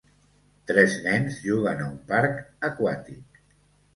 Tres nens juguen a un parc aquàtic